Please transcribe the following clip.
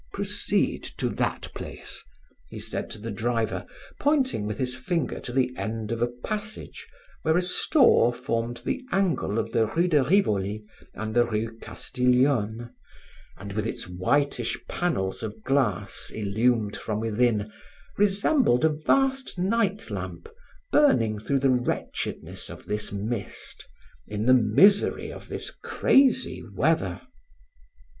"Proceed to that place," he said to the driver, pointing with his finger to the end of a passage where a store formed the angle of the rue de Rivoli and the rue Castiglione and, with its whitish panes of glass illumed from within, resembled a vast night lamp burning through the wretchedness of this mist, in the misery of this crazy weather.